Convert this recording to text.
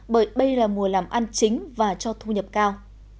bởi đây là mùa làm ăn chính và cho thu nhập cao